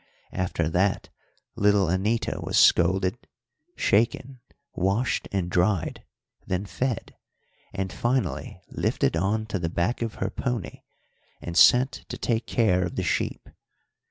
After that little Anita was scolded, shaken, washed and dried, then fed, and finally lifted on to the back of her pony and sent to take care of the sheep.